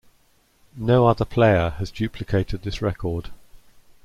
No other player has duplicated this record.